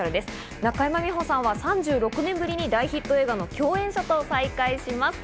中山美穂さんは３６年ぶりに大ヒット映画の共演者と再会します。